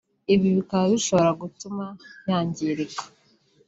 ibi bikaba bishobora gutuma yangirika